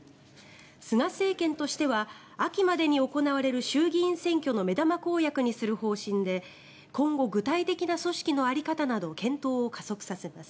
菅政権としては秋までに行われる衆議院選挙の目玉公約にする方針で今後、具体的な組織の在り方など検討を加速させます。